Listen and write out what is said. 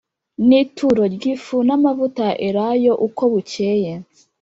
nituro ryifu namavuta ya elayo uko bukeye